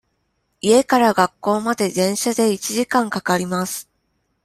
家から学校まで電車で一時間かかります。